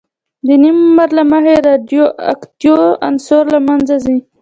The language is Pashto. د نیم عمر له مخې رادیواکتیو عناصر له منځه ځي.